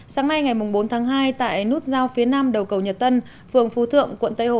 sáng nay ngày bốn tháng hai tại nút giao phía nam đầu cầu nhật tân phường phú thượng quận tây hồ